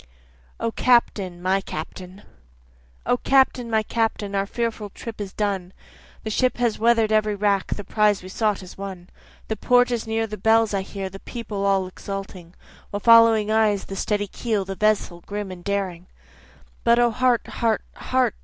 O Captain! My Captain! O Captain! my Captain! our fearful trip is done, The ship has weather'd every rack, the prize we sought is won, The port is near, the bells I hear, the people all exulting, While follow eyes the steady keel, the vessel grim and daring; But O heart! heart! heart!